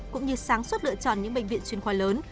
cũng như sáng suốt lựa chọn những bệnh viện chuyên khoa lớn